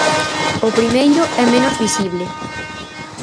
O primeiro é menos visible.